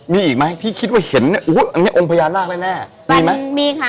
มีอีกไหมที่คิดว่าเห็นเนี่ยอุ้ยอันนี้องค์พญานาคแน่มีไหมมีค่ะ